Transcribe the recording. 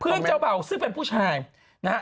เจ้าเบ่าซึ่งเป็นผู้ชายนะฮะ